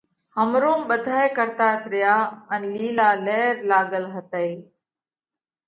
همروم ٻڌائي ڪرتات ريا ان لِيلا لير لاڳل هتئِي۔